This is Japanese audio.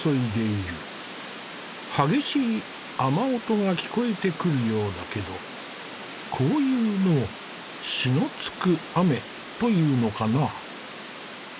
激しい雨音が聞こえてくるようだけどこういうのを「篠突く雨」というのかな。